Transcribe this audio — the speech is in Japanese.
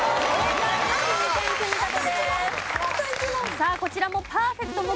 さあこちらもパーフェクト目前。